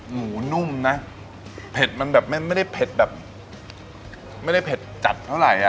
หมูนุ่มนะเผ็ดมันแบบไม่ได้เผ็ดแบบไม่ได้เผ็ดจัดเท่าไหร่อ่ะ